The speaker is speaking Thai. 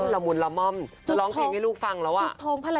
ละมุนละม่อมจะร้องเพลงให้ลูกฟังแล้วอ่ะ